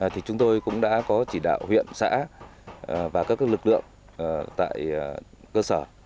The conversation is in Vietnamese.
thì chúng tôi cũng đã có chỉ đạo huyện xã và các lực lượng tại cơ sở